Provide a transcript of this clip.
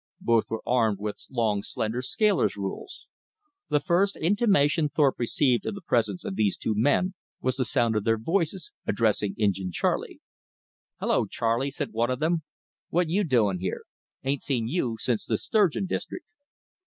Both were armed with long slender scaler's rules. The first intimation Thorpe received of the presence of these two men was the sound of their voices addressing Injin Charley. "Hullo Charley," said one of them, "what you doing here? Ain't seen you since th' Sturgeon district."